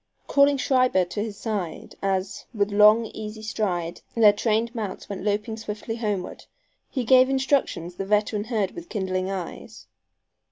Calling Schreiber to his side, as, with long easy stride their trained mounts went loping swiftly homeward, he gave instructions the veteran heard with kindling eyes.